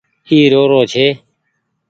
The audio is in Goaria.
اي رو رو ڇي ۔